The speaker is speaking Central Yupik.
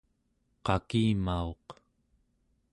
qakimauq